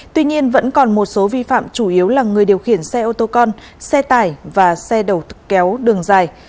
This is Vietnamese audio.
tuy nhiên vẫn còn một số vi phạm chủ yếu là người điều khiển xe ô tô con xe tải và xe đầu kéo đường dài